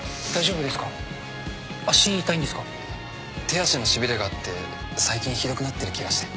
手足のしびれがあって最近ひどくなってる気がして。